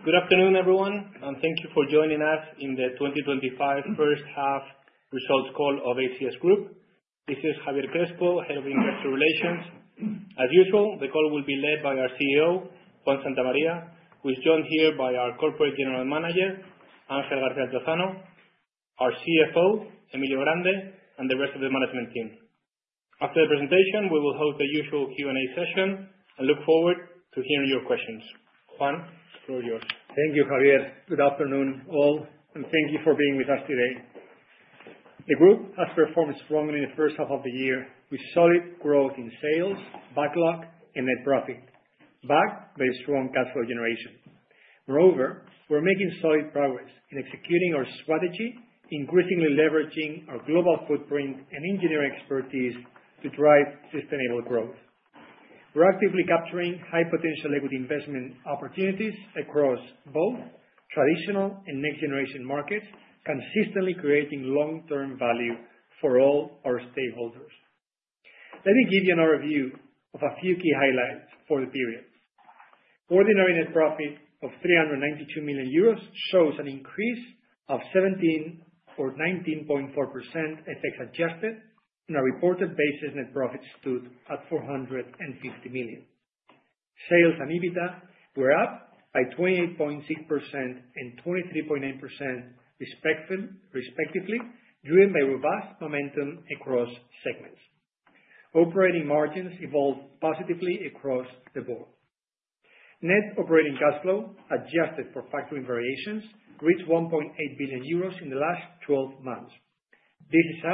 Good afternoon, everyone, and thank you for joining us in the 2025 First Half Results Call of ACS Group. This is Javier Crespo, Head of Industry Relations. As usual, the call will be led by our CEO, Juan Santamaría, who is joined here by our Corporate General Manager, Ángel García Altozano, our CFO, Emilio Grande, and the rest of the management team. After the presentation, we will host the usual Q&A session and look forward to hearing your questions. Juan, the floor is yours. Thank you, Javier. Good afternoon, all, and thank you for being with us today. The group has performed strongly in the 1st half of the year, with solid growth in sales, backlog, and net profit, backed by strong cash flow generation. Moreover, we're making solid progress in executing our strategy, increasingly leveraging our global footprint and engineering expertise to drive sustainable growth. We're actively capturing high-potential equity investment opportunities across both traditional and next-generation markets, consistently creating long-term value for all our stakeholders. Let me give you an overview of a few key highlights for the period. Ordinary net profit of 392 million euros shows an increase of 17% or 19.4% FX adjusted. On a reported basis, net profit stood at 450 million. Sales and EBITDA were up by 28.6% and 23.9% respectively, driven by robust momentum across segments. Operating margins evolved positively across the board. Net operating cash flow, adjusted for factoring variations, reached 1.8 billion euros in the last 12 months. This is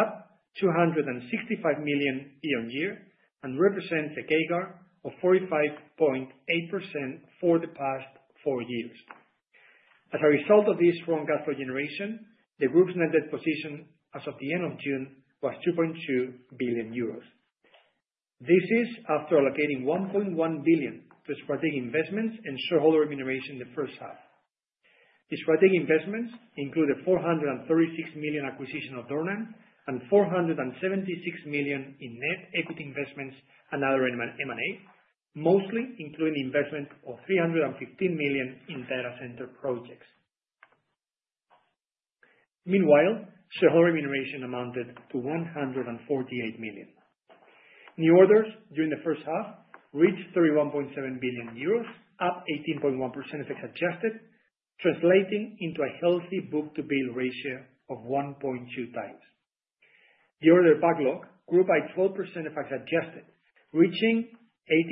up 265 million year-on-year and represents a CAGR of 45.8% for the past four years. As a result of this strong cash flow generation, the group's net debt position as of the end of June was 2.2 billion euros. This is after allocating 1.1 billion to strategic investments and shareholder remuneration in the 1st half. The strategic investments included 436 million acquisition of Dornan and 476 million in net equity investments and other M&A, mostly including the investment of 315 million in data center projects. Meanwhile, shareholder remuneration amounted to 148 million. New orders during the 1st half reached 31.7 billion euros, up 18.1% FX adjusted, translating into a healthy book-to-bill ratio of 1.2 times. The order backlog grew by 12% FX adjusted, reaching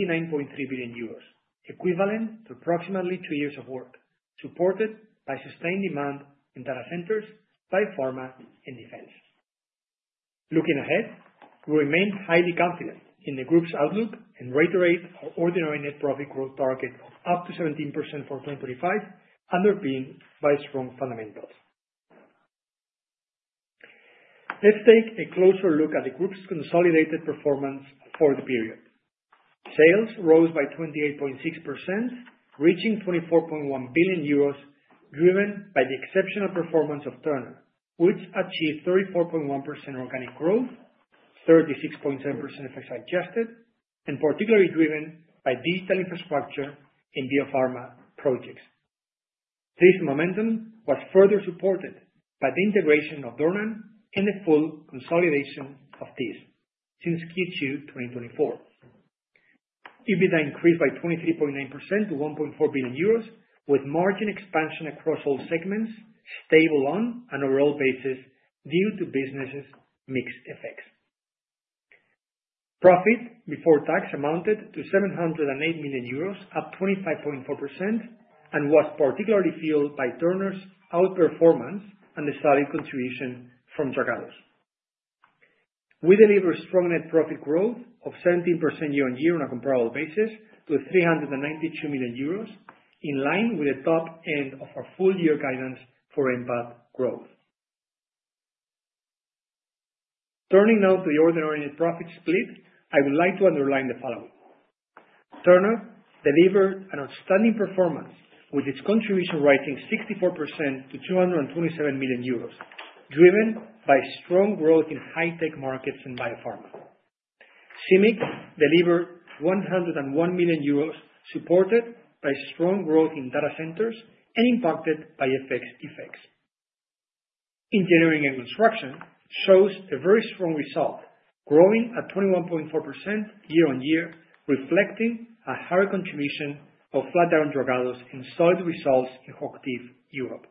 89.3 billion euros, equivalent to approximately two years of work, supported by sustained demand in data centers by pharma and defense. Looking ahead, we remain highly confident in the group's outlook and reiterate our ordinary net profit growth target of up to 17% for 2025, underpinned by strong fundamentals. Let's take a closer look at the group's consolidated performance for the period. Sales rose by 28.6%, reaching 24.1 billion euros, driven by the exceptional performance of Turner, which achieved 34.1% organic growth, 36.7% FX adjusted, and particularly driven by digital infrastructure and biopharma projects. This momentum was further supported by the integration of Dornan and the full consolidation of TIS since Q2 2024. EBITDA increased by 23.9% to 1.4 billion euros, with margin expansion across all segments stable on an overall basis due to businesses' mixed effects. Profit before tax amounted to 708 million euros, up 25.4%, and was particularly fueled by Turner's outperformance and the solid contribution from Flatiron. We delivered strong net profit growth of 17% year-on-year on a comparable basis to 392 million euros, in line with the top end of our full-year guidance for EBITDA growth. Turning now to the ordinary net profit split, I would like to underline the following. Turner delivered an outstanding performance, with its contribution rising 64% to 227 million euros, driven by strong growth in high-tech markets and biopharma. CIMIC delivered 101 million euros, supported by strong growth in data centers and impacted by FX effects. Engineering and construction shows a very strong result, growing at 21.4% year-on-year, reflecting a higher contribution of Flatiron and solid results in HOCHTIEF Europe.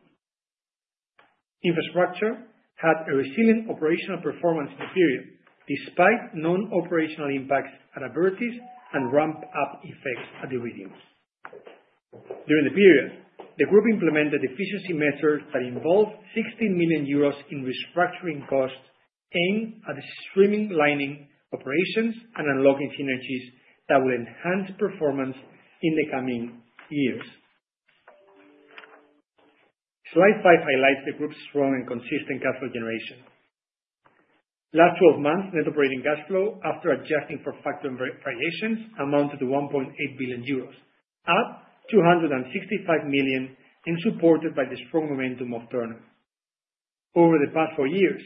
Infrastructure had a resilient operational performance in the period, despite known operational impacts at Abertis and ramp-up effects at Iridium. During the period, the group implemented efficiency measures that involved 16 million euros in restructuring costs aimed at streamlining operations and unlocking synergies that will enhance performance in the coming years. slide five highlights the group's strong and consistent cash flow generation. Last 12 months, net operating cash flow, after adjusting for factoring variations, amounted to 1.8 billion euros, up 265 million and supported by the strong momentum of Turner. Over the past four years,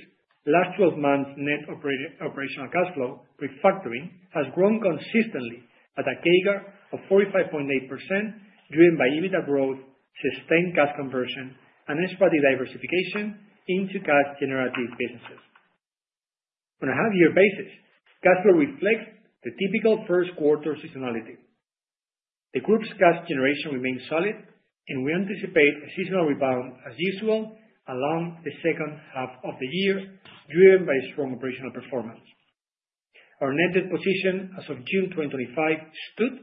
last 12 months' net operating cash flow after factoring has grown consistently at a CAGR of 45.8%, driven by EBITDA growth, sustained cash conversion, and expertise diversification into cash-generative businesses. On a half-year basis, cash flow reflects the typical 1st quarter seasonality. The group's cash generation remains solid, and we anticipate a seasonal rebound, as usual, along the 2nd half of the year, driven by strong operational performance. Our net debt position as of June 2025 stood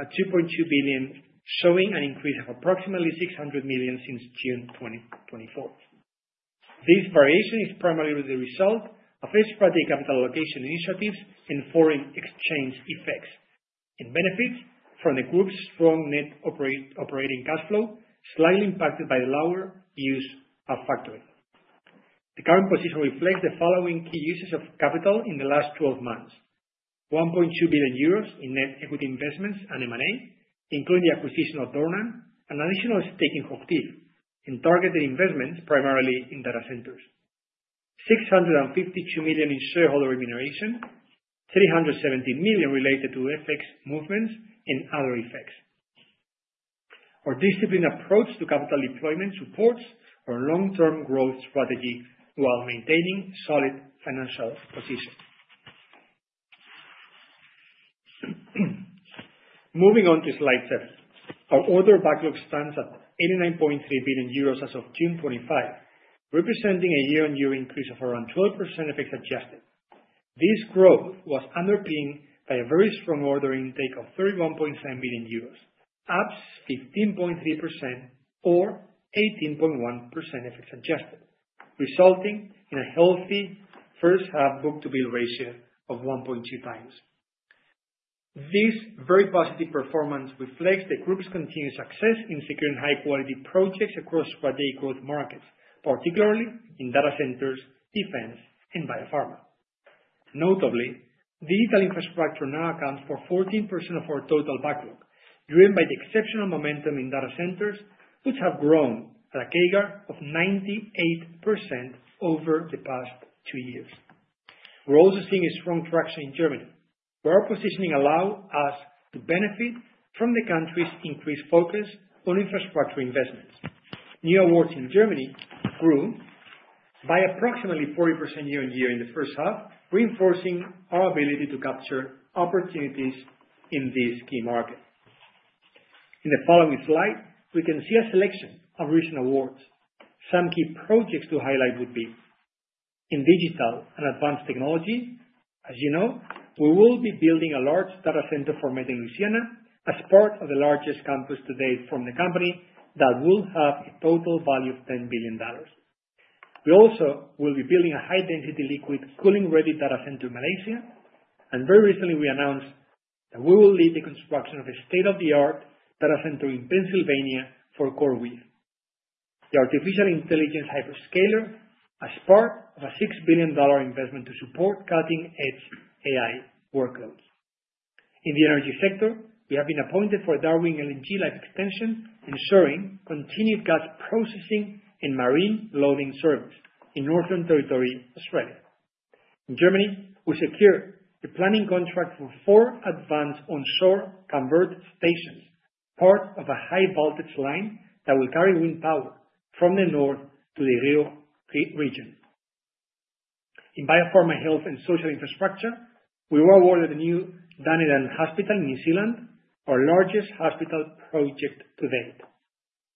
at 2.2 billion, showing an increase of approximately 600 million since June 2024. This variation is primarily the result of expertise capital allocation initiatives and foreign exchange effects, and benefits from the group's strong net operating cash flow, slightly impacted by the lower use of factoring. The current position reflects the following key uses of capital in the last 12 months: 1.2 billion euros in net equity investments and M&A, including the acquisition of Dornan Engineering, an additional stake in HOCHTIEF, and targeted investments primarily in data centers. 652 million in shareholder remuneration, 317 million related to FX movements and other effects. Our disciplined approach to capital deployment supports our long-term growth strategy while maintaining solid financial positions. Moving on to slide seven, our order backlog stands at 89.3 billion euros as of June 2025, representing a year-on-year increase of around 12% FX adjusted. This growth was underpinned by a very strong order intake of 31.7 billion euros, up 15.3% or 18.1% FX adjusted, resulting in a healthy 1st half book-to-bill ratio of 1.2 times. This very positive performance reflects the group's continued success in securing high-quality projects across strategic growth markets, particularly in data centers, defense, and biopharma. Notably, digital infrastructure now accounts for 14% of our total backlog, driven by the exceptional momentum in data centers, which have grown at a CAGR of 98% over the past two years. We're also seeing a strong traction in Germany, where our positioning allowed us to benefit from the country's increased focus on infrastructure investments. New awards in Germany grew by approximately 40% year-on-year in the 1st half, reinforcing our ability to capture opportunities in these key markets. In the following slide, we can see a selection of recent awards. Some key projects to highlight would be in digital and advanced technology. As you know, we will be building a large data center for Made in Louisiana as part of the largest campus to date from the company that will have a total value of $10 billion. We also will be building a high-density liquid cooling-ready data center in Malaysia. And very recently, we announced that we will lead the construction of a state-of-the-art data center in Pennsylvania for CoreWeave, the artificial intelligence hyperscaler, as part of a $6 billion investment to support cutting-edge AI workloads. In the energy sector, we have been appointed for Darwin LNG life extension, ensuring continued gas processing and marine loading service in Northern Territory, Australia. In Germany, we secured a planning contract for four advanced onshore converter stations, part of a high-voltage line that will carry wind power from the north to the Ruhr region. In biopharma health and social infrastructure, we were awarded a new Danelan Hospital in New Zealand, our largest hospital project to date.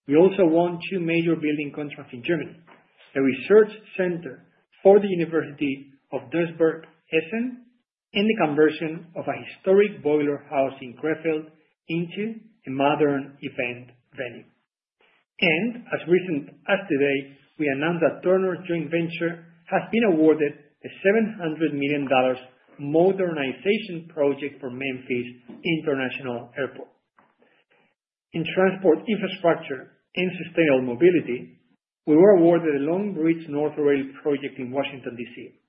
We also won two major building contracts in Germany: a research center for the University of Duisburg-Essen and the conversion of a historic boiler house in Krefeld into a modern event venue. As recent as today, we announced that Turner joint venture has been awarded a $700 million modernization project for Memphis International Airport. In transport infrastructure and sustainable mobility, we were awarded a Long Bridge Northern Rail project in Washington, D.C.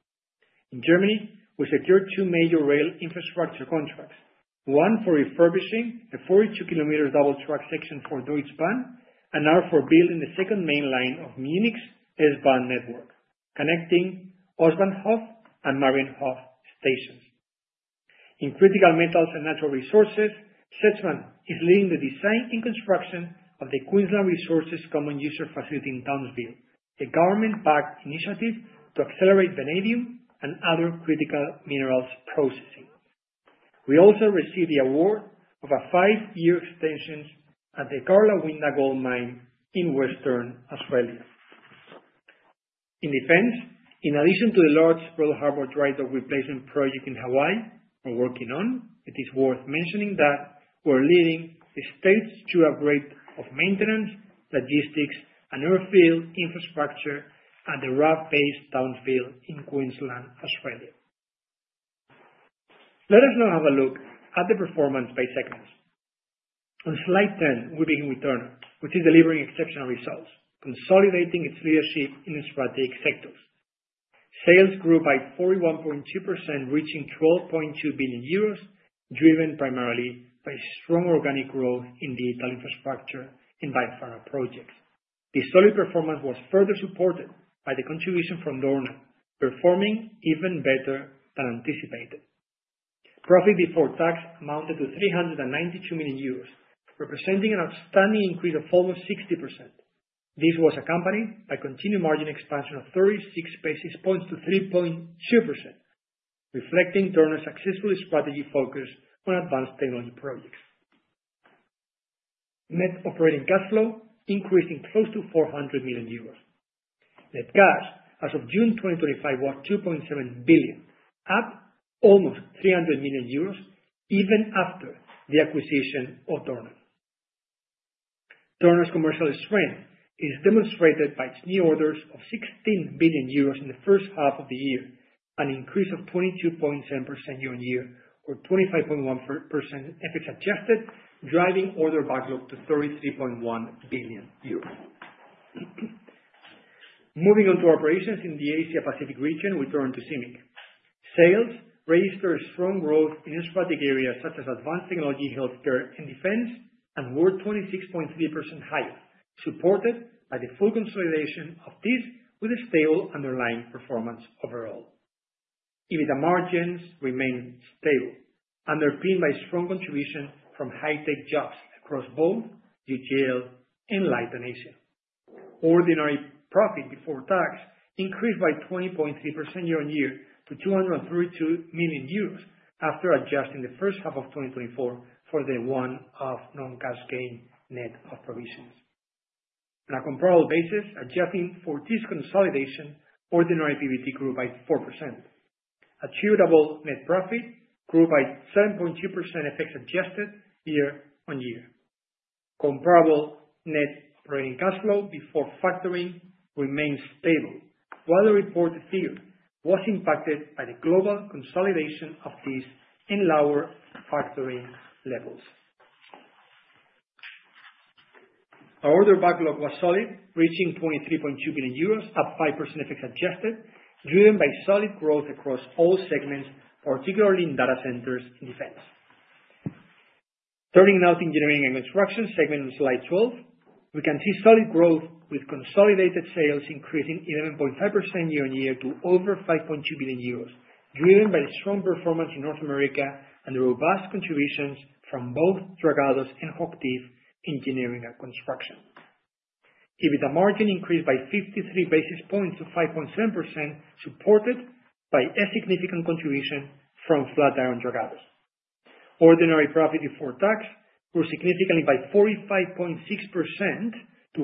In Germany, we secured two major rail infrastructure contracts: one for refurbishing the 42 km double-track section for Deutsche Bahn and another for building the 2nd main line of Munich's S-Bahn network, connecting Ostbahnhof and Marienhof stations. In critical metals and natural resources, Sedgman is leading the design and construction of the Queensland Resources Common User Facility in Townsville, a government-backed initiative to accelerate vanadium and other critical minerals processing. We also received the award of a five-year extension at the Karlawinda Gold Mine in Western Australia. In defense, in addition to the large Pearl Harbor dry dock replacement project in Hawaii we are working on, it is worth mentioning that we are leading the state's two upgrades of maintenance, logistics, and airfield infrastructure at the RAAF Base Townsville in Queensland, Australia. Let us now have a look at the performance by segments. On slide 10, we begin with Turner, which is delivering exceptional results, consolidating its leadership in strategic sectors. Sales grew by 41.2%, reaching 12.2 billion euros, driven primarily by strong organic growth in digital infrastructure and biopharma projects. This solid performance was further supported by the contribution from Dornan, performing even better than anticipated. Profit before tax amounted to 392 million euros, representing an outstanding increase of almost 60%. This was accompanied by continued margin expansion of 36 basis points to 3.2%, reflecting Turner's successful strategy focus on advanced technology projects. Net operating cash flow increased in close to 400 million euros. Net cash as of June 2025 was 2.7 billion, up almost 300 million euros even after the acquisition of Dornan Engineering. Turner's commercial strength is demonstrated by its new orders of 16 billion euros in the 1st half of the year, an increase of 22.7% year-on-year, or 25.1% FX adjusted, driving order backlog to 33.1 billion euros. Moving on to operations in the Asia-Pacific region, we turn to CIMIC. Sales registered strong growth in strategic areas such as advanced technology, healthcare, and defense, and were 26.3% higher, supported by the full consolidation of TIS with a stable underlying performance overall. EBITDA margins remain stable, underpinned by strong contribution from high-tech jobs across both UGL and Leighton Asia. Ordinary profit before tax increased by 20.3% year-on-year to 232 million euros after adjusting the 1st half of 2024 for the one-off non-cash gain net of provisions. On a comparable basis, adjusting for TIS consolidation, ordinary PBT grew by 4%. Achievable net profit grew by 7.2% FX adjusted year-on-year. Comparable net operating cash flow before factoring remains stable, while the reported figure was impacted by the global consolidation of TIS and lower factoring levels. Our order backlog was solid, reaching 23.2 billion euros at 5% FX adjusted, driven by solid growth across all segments, particularly in data centers and defense. Turning now to engineering and construction segment on slide 12, we can see solid growth with consolidated sales increasing 11.5% year-on-year to over 5.2 billion euros, driven by the strong performance in North America and the robust contributions from both Dragados and HOCHTIEF engineering and construction. EBITDA margin increased by 53 basis points to 5.7%, supported by a significant contribution from Flatiron Dragados. Ordinary profit before tax grew significantly by 45.6% to 136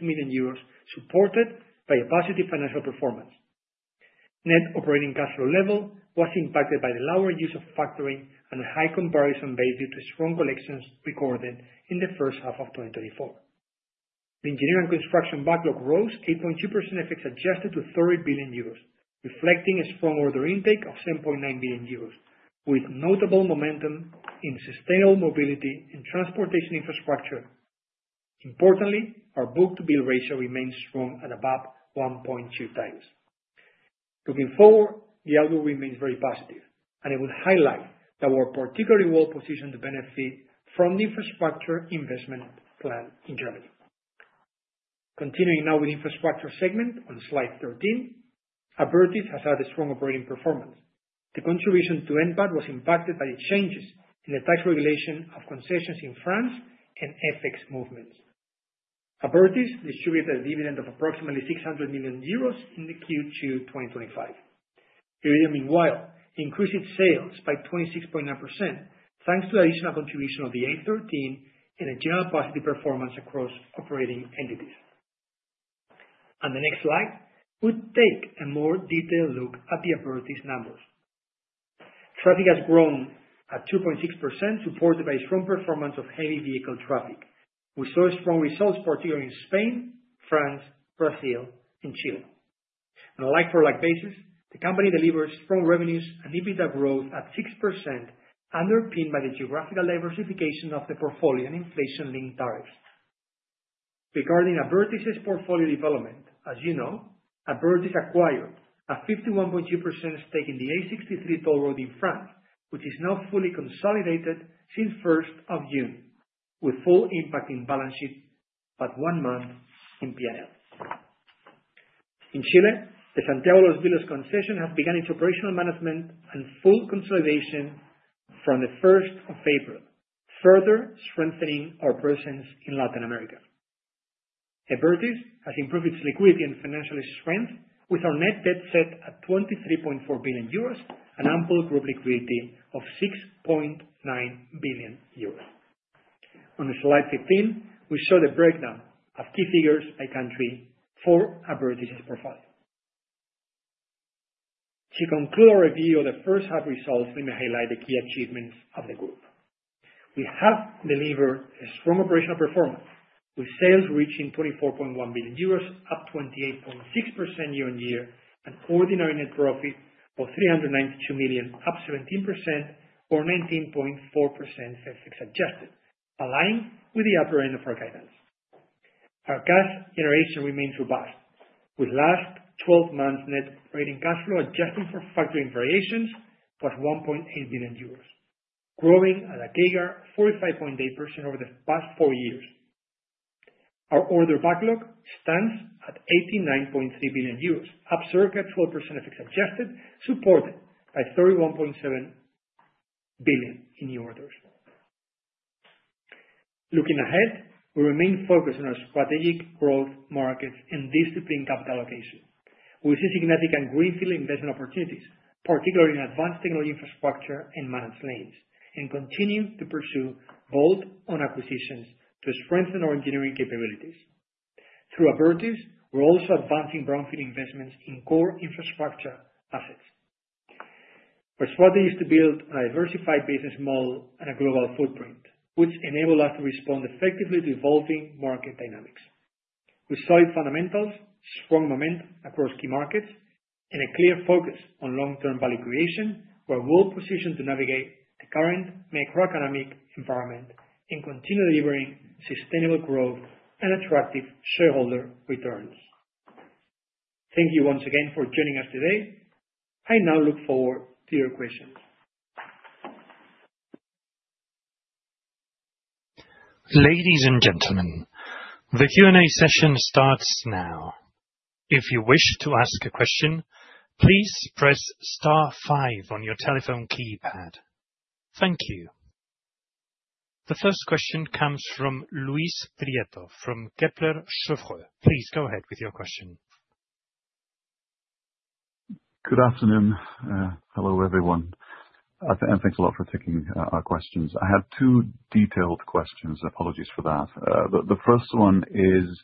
million euros, supported by a positive financial performance. Net operating cash flow level was impacted by the lower use of factoring and a high comparison base due to strong collections recorded in the 1st half of 2024. The engineering and construction backlog rose 8.2% FX adjusted to 30 billion euros, reflecting a strong order intake of 7.9 billion euros, with notable momentum in sustainable mobility and transportation infrastructure. Importantly, our book-to-bill ratio remains strong at about 1.2 times. Looking forward, the outlook remains very positive, and I would highlight that we're particularly well-positioned to benefit from the infrastructure investment plan in Germany. Continuing now with the infrastructure segment on slide 13. Abertis has had a strong operating performance. The contribution to NPAT was impacted by the changes in the tax regulation of concessions in France and FX movements. Abertis distributed a dividend of approximately 600 million euros in the Q2 2025. Iridium meanwhile increased its sales by 26.9% thanks to the additional contribution of the A13 and a general positive performance across operating entities. On the next slide, we take a more detailed look at the Abertis numbers. Traffic has grown at 2.6%, supported by a strong performance of heavy vehicle traffic. We saw strong results, particularly in Spain, France, Brazil, and Chile. On a like-for-like basis, the company delivers strong revenues and EBITDA growth at 6%, underpinned by the geographical diversification of the portfolio and inflation-linked tariffs. Regarding Abertis's portfolio development, as you know, Abertis acquired a 51.2% stake in the A63 toll road in France, which is now fully consolidated since 1st of June, with full impact in balance sheet about one month in P&L. In Chile, the Santiago Los Villas concession has begun its operational management and full consolidation from the 1st of April, further strengthening our presence in Latin America. Abertis has improved its liquidity and financial strength, with our net debt set at 23.4 billion euros and ample group liquidity of 6.9 billion euros. On slide 15, we show the breakdown of key figures by country for Abertis's profile. To conclude our review of the 1st half results, let me highlight the key achievements of the group. We have delivered a strong operational performance, with sales reaching 24.1 billion euros, up 28.6% year-on-year, and ordinary net profit of 392 million, up 17% or 19.4% FX adjusted, aligning with the upper end of our guidance. Our cash generation remains robust, with last 12 months' net operating cash flow adjusting for factoring variations plus 1.8 billion euros, growing at a CAGR of 45.8% over the past four years. Our order backlog stands at 89.3 billion euros, up circa 12% FX adjusted, supported by 31.7 billion in new orders. Looking ahead, we remain focused on our strategic growth markets and disciplined capital allocation. We see significant greenfield investment opportunities, particularly in advanced technology infrastructure and managed lanes, and continue to pursue bolt-on acquisitions to strengthen our engineering capabilities. Through Abertis, we're also advancing brownfield investments in core infrastructure assets. We're swathed to build a diversified business model and a global footprint, which enables us to respond effectively to evolving market dynamics. With solid fundamentals, strong momentum across key markets, and a clear focus on long-term value creation, we're well-positioned to navigate the current macroeconomic environment and continue delivering sustainable growth and attractive shareholder returns. Thank you once again for joining us today. I now look forward to your questions. Ladies and gentlemen, the Q&A session starts now. If you wish to ask a question, please press star five on your telephone keypad. Thank you. The first question comes from Luis Prieto from Kepler Cheuvreux. Please go ahead with your question. Good afternoon. Hello, everyone. Thanks a lot for taking our questions. I had two detailed questions. Apologies for that. The 1st one is,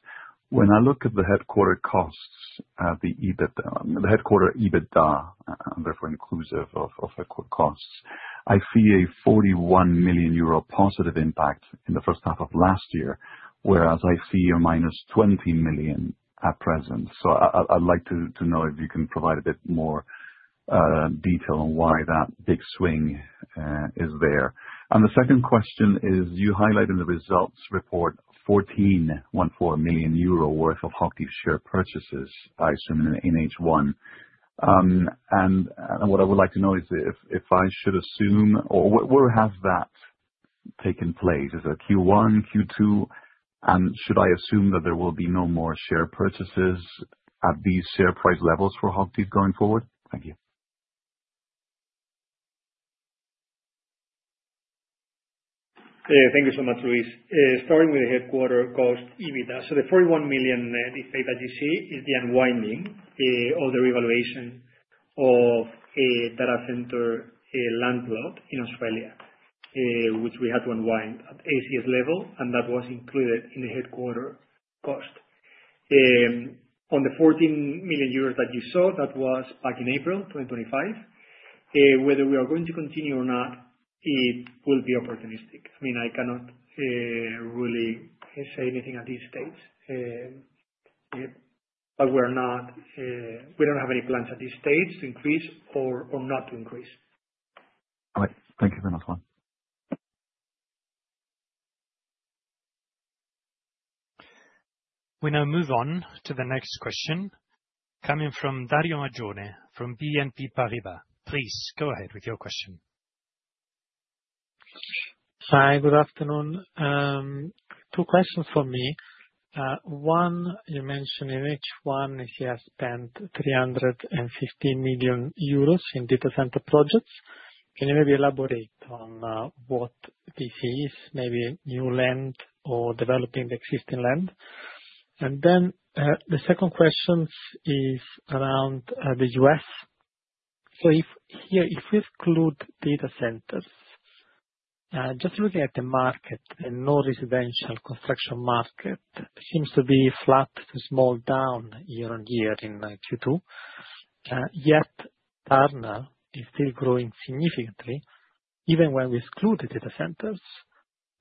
when I look at the headquarter costs at the EBITDA, the headquarter EBITDA, and therefore inclusive of headquarter costs, I see a 41 million euro positive impact in the 1st half of last year, whereas I see a -20 million at present. So I'd like to know if you can provide a bit more detail on why that big swing is there. And the 2nd question is, you highlighted in the results report 14.14 million euro worth of HOCHTIEF share purchases, I assume, in H1. And what I would like to know is if I should assume, or where has that taken place? Is it Q1, Q2? And should I assume that there will be no more share purchases at these share price levels for HOCHTIEF going forward? Thank you. Thank you so much, Luis. Starting with the headquarter cost EBITDA, so the 41 million deflate that you see is the unwinding of the revaluation of data center landlord in Australia, which we had to unwind at ACS level, and that was included in the headquarter cost. On the 14 million euros that you saw, that was back in April 2025. Whether we are going to continue or not, it will be opportunistic. I mean, I cannot really say anything at this stage. But we don't have any plans at this stage to increase or not to increase. All right. Thank you for that one. We now move on to the next question, coming from Dario Maglione from BNP Paribas. Please go ahead with your question. Hi, good afternoon. Two questions for me. One, you mentioned in H1 you have spent 315 million euros in data center projects. Can you maybe elaborate on what this is, maybe new land or developing the existing land? And then the 2nd question is around the U.S. Here, if we exclude data centers, just looking at the market, the non-residential construction market seems to be flat to small down year-on-year in Q2. Yet Turner is still growing significantly, even when we exclude the data centers,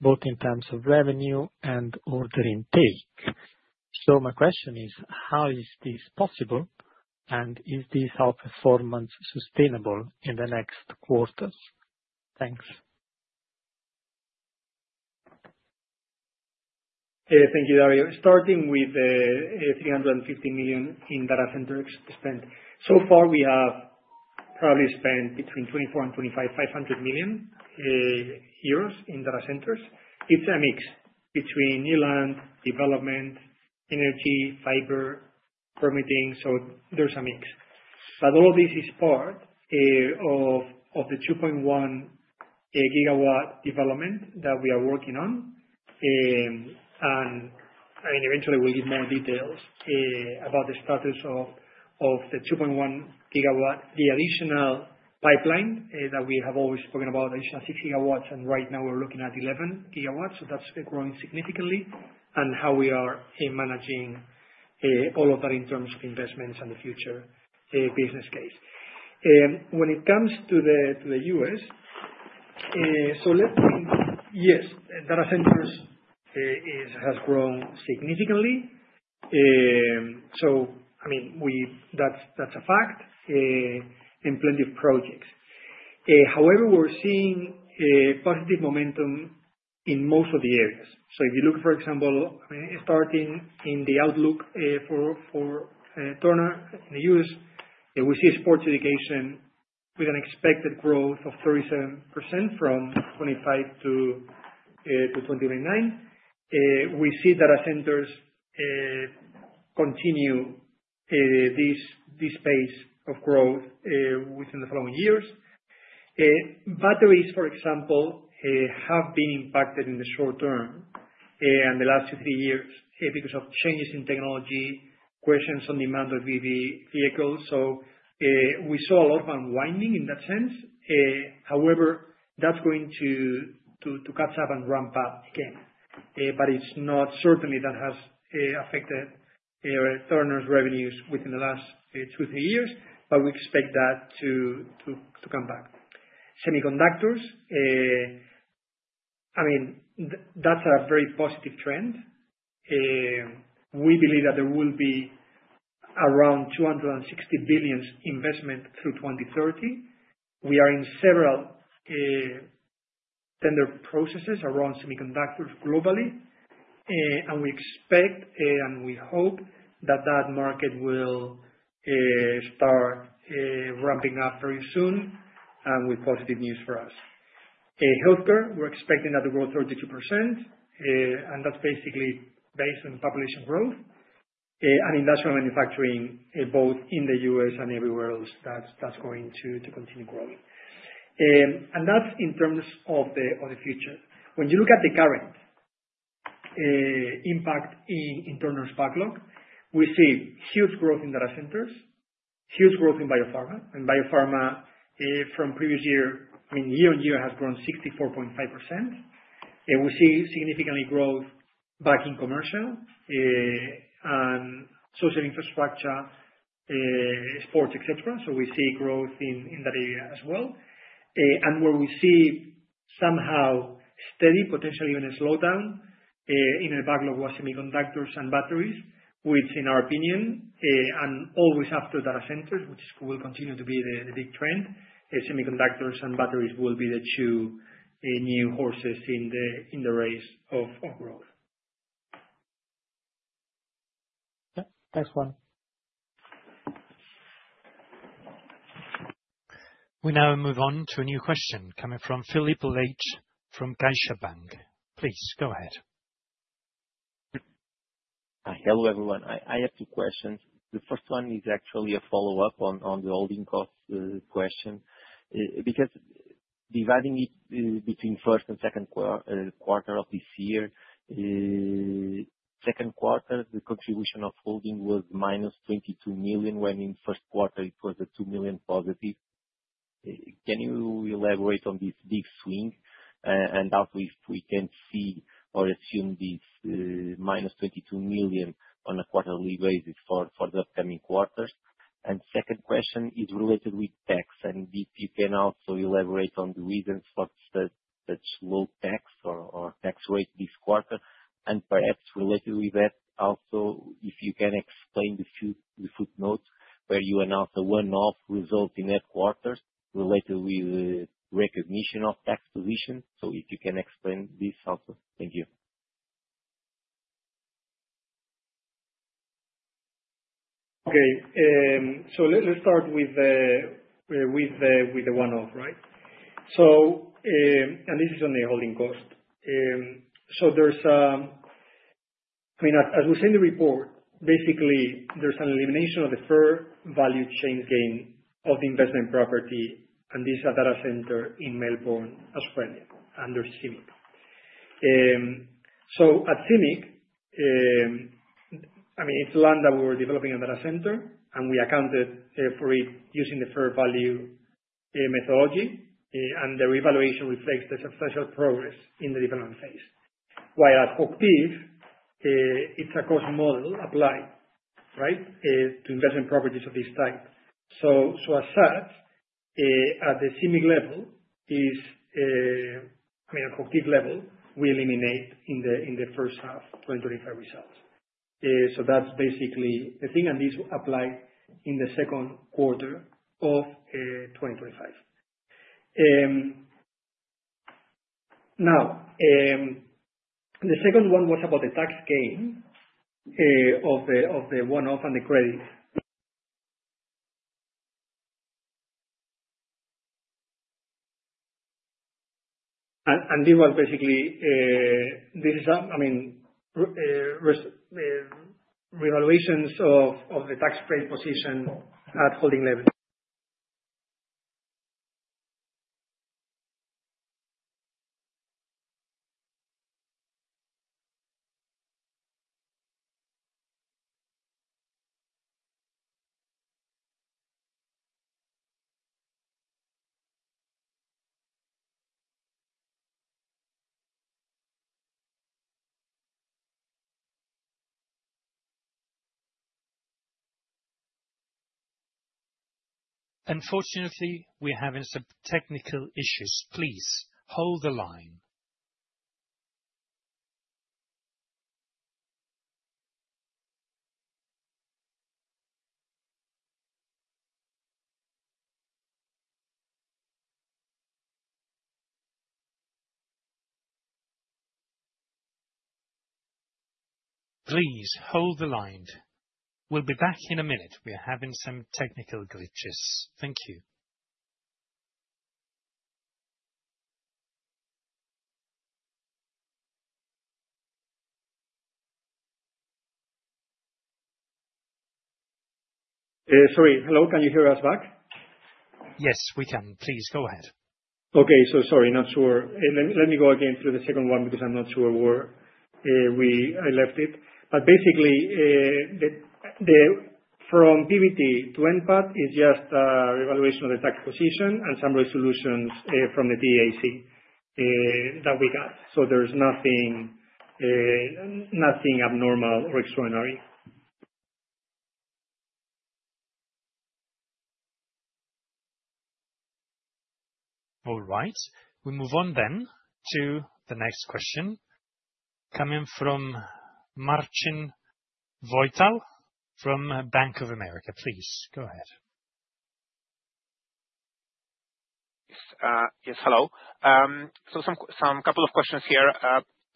both in terms of revenue and order intake. My question is, how is this possible, and is this performance sustainable in the next quarters? Thanks. Thank you, Dario. Starting with 315 million in data center spent. So far, we have probably spent between 2.4 billion and 2.5 billion euros in data centers. It is a mix between new land, development, energy, fiber, permitting, so there is a mix. All of this is part of the 2.1 GW development that we are working on. Eventually we will give more details about the status of the 2.1 GW, the additional pipeline that we have always spoken about, additional 6 GW, and right now we are looking at 11 GW, so that is growing significantly, and how we are managing all of that in terms of investments and the future business case. When it comes to the U.S., data centers have grown significantly. I mean, that is a fact, and plenty of projects. However, we are seeing positive momentum in most of the areas. If you look, for example, starting in the outlook for Turner in the U.S., we see sports education with an expected growth of 37% from 2025 to 2029. We see data centers continue this pace of growth within the following years. Batteries, for example, have been impacted in the short term in the last two to three years because of changes in technology, questions on demand of EV vehicles. We saw a lot of unwinding in that sense. However, that is going to catch up and ramp up again. It is not certainly that has affected Turner's revenues within the last two to three years, but we expect that to come back. Semiconductors, I mean, that is a very positive trend. We believe that there will be around 260 billion investment through 2030. We are in several tender processes around semiconductors globally, and we expect and we hope that that market will start ramping up very soon and with positive news for us. Healthcare, we're expecting that to grow 32%. And that's basically based on population growth. And industrial manufacturing, both in the U.S. and everywhere else, that's going to continue growing. And that's in terms of the future. When you look at the current impact in Turner's backlog, we see huge growth in data centers, huge growth in biopharma. And biopharma from previous year, I mean, year-on-year, has grown 64.5%. And we see significantly growth back in commercial and social infrastructure. Sports, etc. So we see growth in that area as well. And where we see somehow steady, potentially even a slowdown in the backlog was semiconductors and batteries, which, in our opinion, and always after data centers, which will continue to be the big trend, semiconductors and batteries will be the two new horses in the race of growth. Thanks, Juan. We now move on to a new question coming from Philippe Leitch from Gaisha Bank. Please go ahead. Hello everyone. I have two questions. The 1st one is actually a follow-up on the holding cost question. Because dividing it between 1st and 2nd quarter of this year, 2nd quarter, the contribution of holding was -22 million when in 1st quarter it was a 2 million positive. Can you elaborate on this big swing and how we can see or assume this -22 million on a quarterly basis for the upcoming quarters? And the 2nd question is related with tax. And if you can also elaborate on the reasons for such low tax or tax rate this quarter. And perhaps related with that, also, if you can explain the footnote where you announced a one-off result in that quarter related with recognition of tax position. So if you can explain this also. Thank you. Okay. So let's start with the one-off, right? So, and this is on the holding cost. So there's, I mean, as we say in the report, basically, there's an elimination of the fair value change gain of the investment property, and this is a data center in Melbourne, Australia, under CIMIC. So at CIMIC, I mean, it's land that we were developing a data center, and we accounted for it using the fair value methodology, and the revaluation reflects the substantial progress in the development phase. While at HOCHTIEF, it's a cost model applied, right, to investment properties of this type. As such, at the CIMIC level, I mean, at HOCHTIEF level, we eliminate in the 1st half 2025 results. That's basically the thing, and this applied in the 2nd quarter of 2025. Now. The 2nd one was about the tax gain. Of the one-off and the credit. And this was basically. This is, I mean. Reevaluations of the tax credit position. At holding level. Unfortunately, we have some technical issues. Please hold the line. Please hold the line. We'll be back in a minute. We're having some technical glitches. Thank you. Sorry. Hello. Can you hear us back? Yes, we can. Please go ahead. Okay. So sorry, not sure. Let me go again through the second one because I'm not sure where. I left it. But basically. From PBT to NPAT is just a revaluation of the tax position and some resolutions from the TAC. That we got. So there's nothing. Abnormal or extraordinary. All right. We move on then to the next question. Coming from. Marcin Wojtal from Bank of America. Please go ahead. Yes, hello. So some couple of questions here.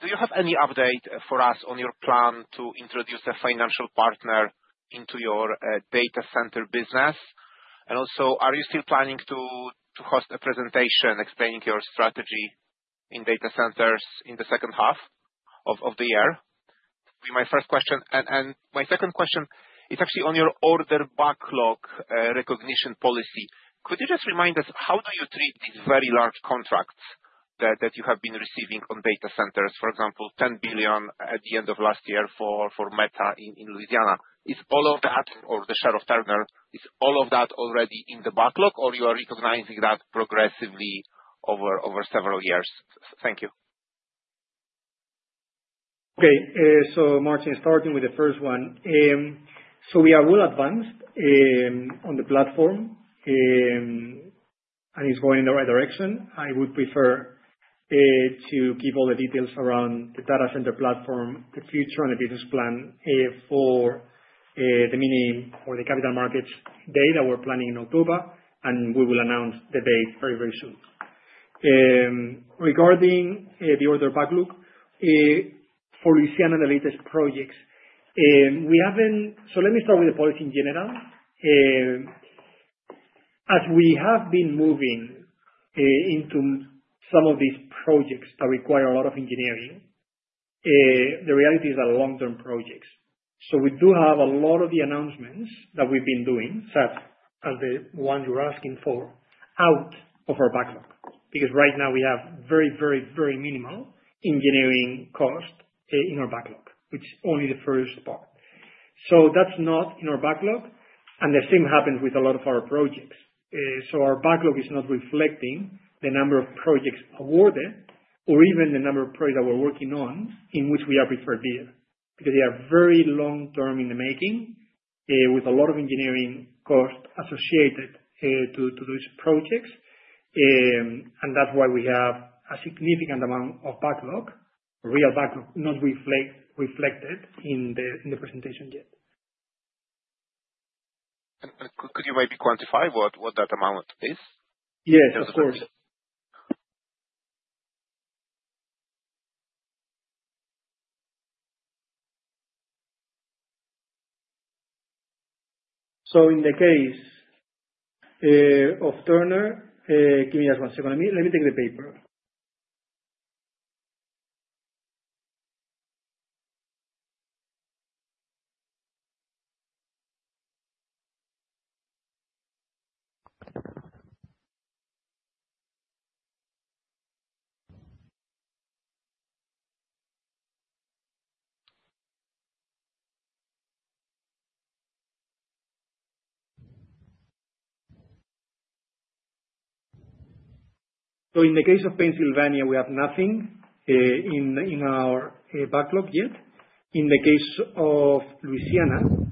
Do you have any update for us on your plan to introduce a financial partner into your data center business? And also, are you still planning to host a presentation explaining your strategy in data centers in the 2nd half of the year? My 1st question, and my 2nd question, it's actually on your order backlog recognition policy. Could you just remind us how do you treat these very large contracts that you have been receiving on data centers? For example, 10 billion at the end of last year for Meta in Louisiana. Is all of that, or the share of Turner, is all of that already in the backlog, or you are recognizing that progressively over several years? Thank you. Okay. So Marcin, starting with the first one. So we are well advanced. On the platform. And it's going in the right direction. I would prefer. To keep all the details around the data center platform, the future, and the business plan for. The capital markets day that we're planning in October, and we will announce the date very, very soon. Regarding the order backlog. For Louisiana and the latest projects, we haven't so let me start with the policy in general. As we have been moving. Into some of these projects that require a lot of engineering. The reality is that long-term projects. So we do have a lot of the announcements that we've been doing, such as the one you're asking for, out of our backlog. Because right now, we have very, very, very minimal engineering cost in our backlog, which is only the 1st part. So that's not in our backlog. And the same happens with a lot of our projects. Our backlog is not reflecting the number of projects awarded or even the number of projects that we're working on in which we are prepared here. They are very long-term in the making with a lot of engineering cost associated to those projects. That's why we have a significant amount of backlog, real backlog, not reflected in the presentation yet. Could you maybe quantify what that amount is? Yes, of course. In the case of Turner give me just one 2nd. Let me take the paper. In the case of Pennsylvania, we have nothing in our backlog yet. In the case of Louisiana,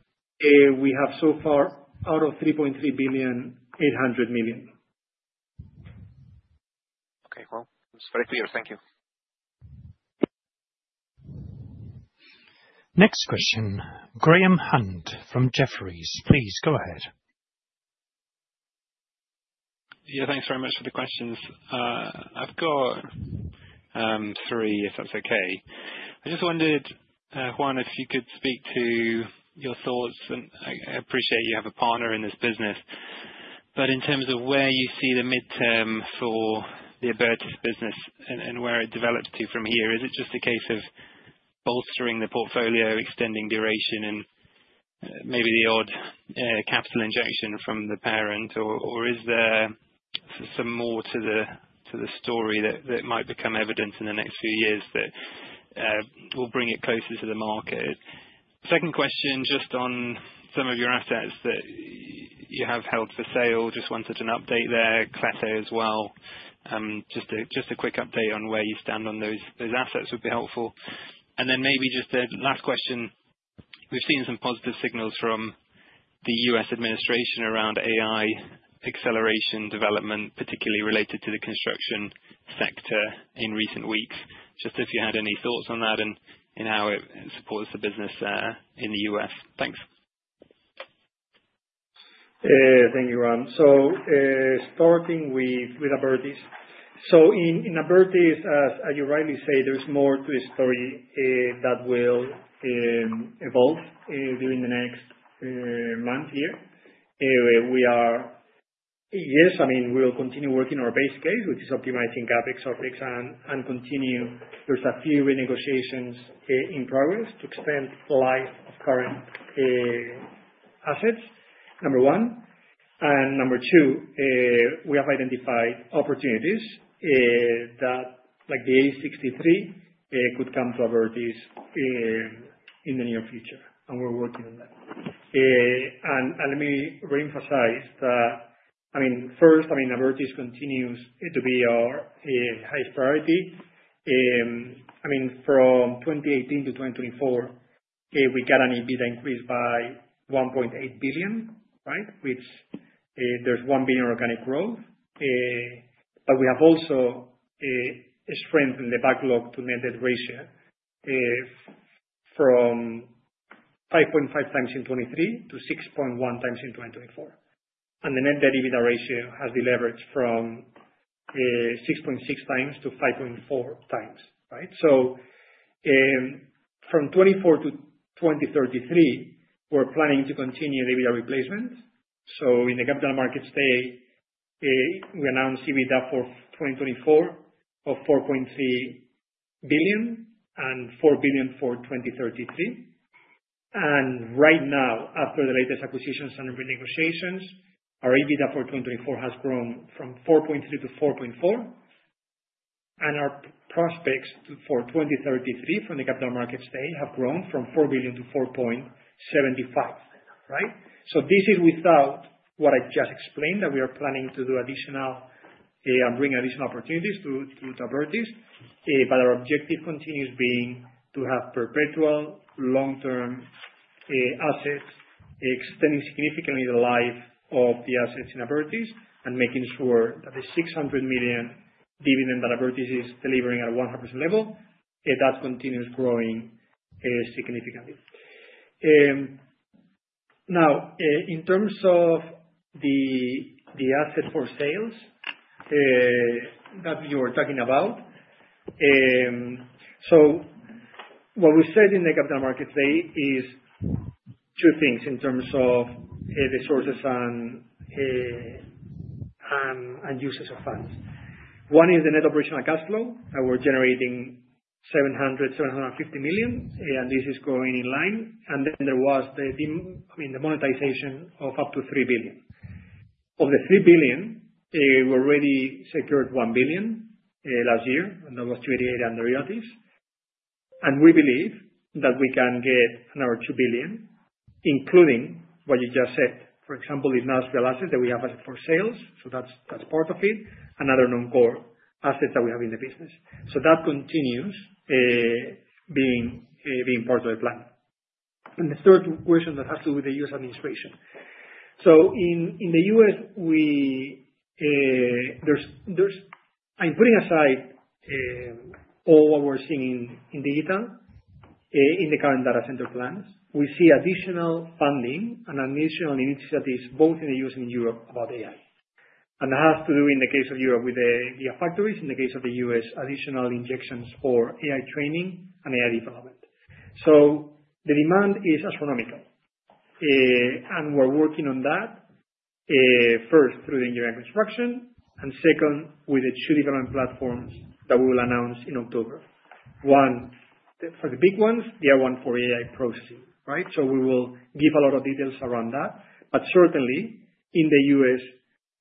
we have so far out of 3.3 billion, 800 million. That's very clear. Thank you. Next question. Graham Hunt from Jefferies. Please go ahead. Yeah, thanks very much for the questions. I've got three, if that's okay. I just wondered, Juan, if you could speak to your thoughts. I appreciate you have a partner in this business. In terms of where you see the midterm for the Abertis business and where it develops to from here, is it just a case of bolstering the portfolio, extending duration, and maybe the odd capital injection from the parent? Is there some more to the story that might become evident in the next few years that will bring it closer to the market? 2nd question, just on some of your assets that you have held for sale, just wanted an update there. Class A as well. Just a quick update on where you stand on those assets would be helpful. Maybe just a last question. We've seen some positive signals from the U.S. administration around AI acceleration development, particularly related to the construction sector in recent weeks. If you had any thoughts on that and how it supports the business in the U.S. Thanks. Thank you, Juan. Starting with Abertis. In Abertis, as you rightly say, there's more to a story that will evolve during the next month here. We are, yes, I mean, we will continue working on our base case, which is optimizing CapEx, OpEx, and continue. There's a few renegotiations in progress to extend the life of current assets, number one. Number two, we have identified opportunities that, like the A63, could come to Abertis in the near future, and we're working on that. Let me re-emphasize that, I mean, 1st, Abertis continues to be our highest priority. From 2018- 2024, we got an EBITDA increase by 1.8 billion, right? There's 1 billion organic growth. We have also. Strengthened the backlog to net debt ratio from 5.5 times in 2023 to 6.1 times in 2024. The net debt EBITDA ratio has delivered from 6.6 times to 5.4 times, right? From 2024- 2033, we're planning to continue EBITDA replacement. In the capital markets day, we announced EBITDA for 2024 of 4.3 billion and 4 billion for 2033. Right now, after the latest acquisitions and renegotiations, our EBITDA for 2024 has grown from 4.3 billion to 4.4 billion, and our prospects for 2033 from the capital markets day have grown from 4 billion to 4.75 billion, right? This is without what I just explained, that we are planning to do additional and bring additional opportunities to Abertis. Our objective continues being to have perpetual long-term assets, extending significantly the life of the assets in Abertis and making sure that the 600 million dividend that Abertis is delivering at a 100% level, that continues growing significantly. Now, in terms of the asset for sales that you were talking about. What we said in the capital markets day is two things in terms of the sources and uses of funds. One is the net operational cash flow that we're generating, 700 million-750 million, and this is going in line. Then there was the monetization of up to 3 billion. Of the 3 billion, we already secured 1 billion last year, and that was to 88 under realities. We believe that we can get another 2 billion, including what you just said, for example, the industrial assets that we have for sales. That's part of it. Another non-core asset that we have in the business. That continues being part of the plan. The 3rd question that has to do with the U.S. administration. In the U.S., I'm putting aside all what we're seeing in digital. In the current data center plans, we see additional funding and additional initiatives both in the U.S. and in Europe about AI. That has to do, in the case of Europe, with the AI factories. In the case of the U.S., additional injections for AI training and AI development. The demand is astronomical, and we're working on that, 1st through the engineering construction and 2nd with the two development platforms that we will announce in October. One for the big ones, the other one for AI processing, right? We will give a lot of details around that. Certainly, in the U.S.,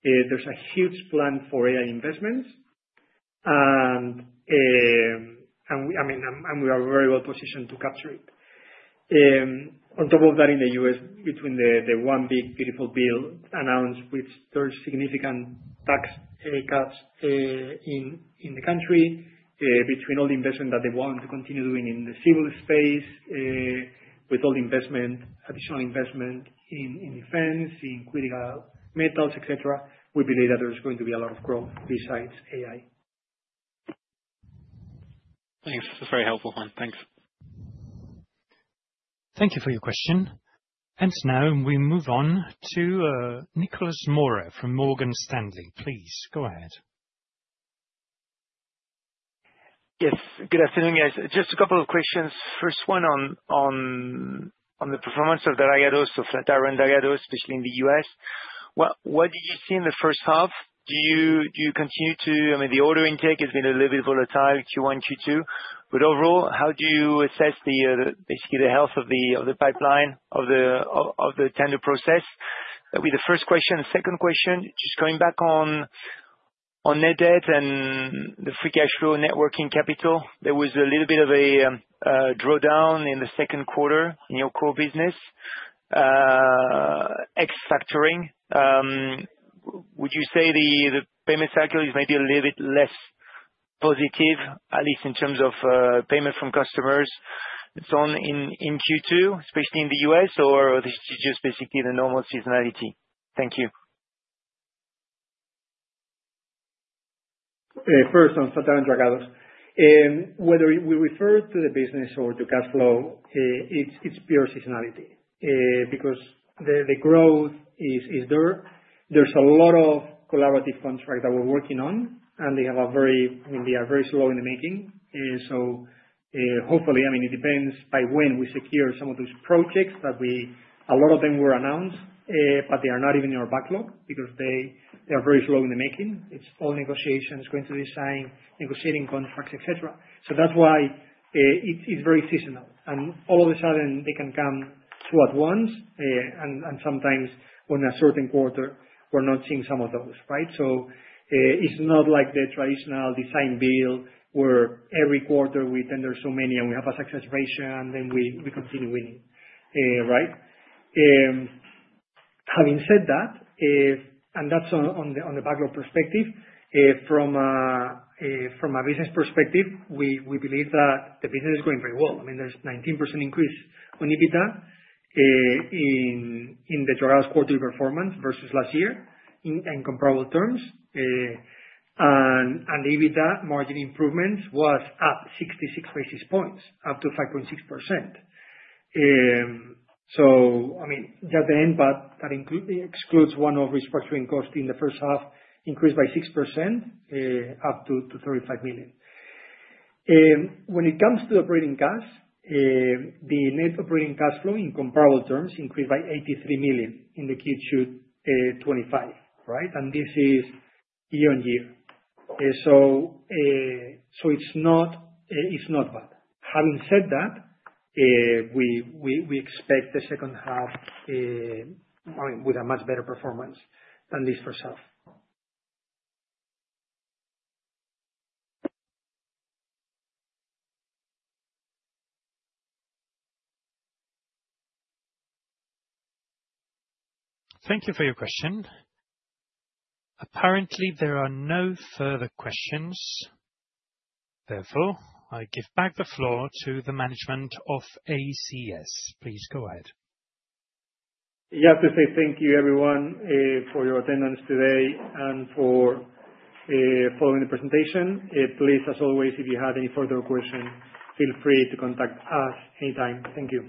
there's a huge plan for AI investments. I mean, we are very well positioned to capture it. On top of that, in the U.S., between the one big beautiful deal announced with significant tax cuts in the country, between all the investment that they want to continue doing in the civil space. With all the additional investment in defense, in critical metals, et cetera., we believe that there's going to be a lot of growth besides AI. Thanks. That's a very helpful one. Thanks. Thank you for your question. And now we move on to. Nicolas Mora from Morgan Stanley. Please go ahead. Yes. Good afternoon, guys. Just a couple of questions. 1st one on. The performance of the Dragados, of the Turner Dragados, especially in the U.S. What did you see in the 1st half? Do you continue to—I mean, the order intake has been a little bit volatile, Q1, Q2. But overall, how do you assess basically the health of the pipeline, of the. Tender process? That would be the 1st question. 2nd question, just going back on. Net debt and the free cash flow networking capital, there was a little bit of a drawdown in the 2nd quarter in your core business. X factoring. Would you say the payment cycle is maybe a little bit less. Positive, at least in terms of payment from customers and so on in Q2, especially in the U.S., or is it just basically the normal seasonality? Thank you. 1st, on Turner Dragados. Whether we refer to the business or to cash flow. It's pure seasonality. Because the growth is there. There's a lot of collaborative contracts that we're working on, and they have a very—I mean, they are very slow in the making. So. Hopefully, I mean, it depends by when we secure some of those projects that a lot of them were announced, but they are not even in our backlog because they are very slow in the making. It's all negotiations, going through design, negotiating contracts, et cetera. That's why. It's very seasonal. All of a sudden, they can come two at once, and sometimes on a certain quarter, we're not seeing some of those, right? It's not like the traditional design deal where every quarter we tender so many, and we have a success ratio, and then we continue winning, right? Having said that. That's on the backlog perspective. From a business perspective, we believe that the business is going very well. I mean, there's a 19% increase on EBITDA. In the Dragados quarterly performance versus last year in comparable terms. The EBITDA margin improvement was up 66 basis points, up to 5.6%. So, I mean, just the impact that excludes one-off restructuring costs in the first half increased by 6%, up to 35 million. When it comes to operating cash, the net operating cash flow in comparable terms increased by 83 million in Q2 2025, right? And this is year-on-year. It's not bad. Having said that, we expect the second half with a much better performance than this 1st half. Thank you for your question. Apparently, there are no further questions. Therefore, I give back the floor to the management of ACS. Please go ahead. Just to say thank you, everyone, for your attendance today and for following the presentation. Please, as always, if you have any further questions, feel free to contact us anytime. Thank you.